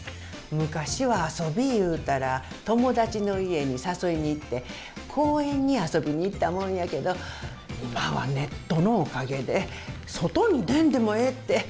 昔は遊びいうたら、友達の家に誘いに行って、公園に遊びに行ったもんやけど、今はネットのおかげで、外に出んでもええって。